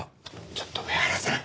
ちょっと上原さん！